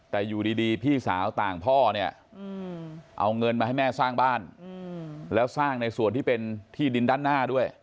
แต่อยู่ดีพี่สาวต่างพ่อเนี่ยเอาเงินมาให้แม่สร้างบ้านแล้วสร้างในส่วนที่เป็นที่ดินด้านหน้าด้วย